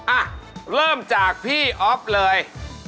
อ่ะเริ่มจากพี่อ๊อฟเลย